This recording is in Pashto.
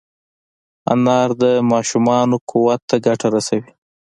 انار د ماشومانو قوت ته ګټه رسوي.